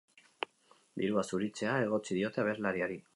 Dirua zuritzea egotzi diote abeslariari.